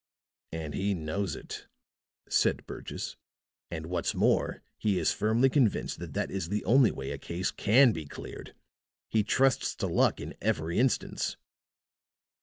"And he knows it," said Burgess. "And what's more, he is firmly convinced that that is the only way a case can be cleared. He trusts to luck in every instance."